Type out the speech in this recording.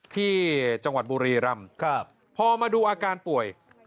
ที่จังหวัดบุรีรำพอมาดูอาการป่วย